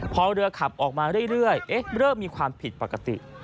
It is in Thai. พอเรือขับออกมาเรื่อยเริ่มมีความผิดปกติ